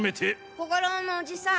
小五郎のおじさん。